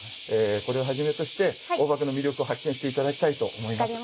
これを始めとして黄檗の魅力を発見して頂きたいと思います。